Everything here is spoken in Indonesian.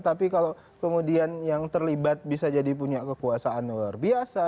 tapi kalau kemudian yang terlibat bisa jadi punya kekuasaan luar biasa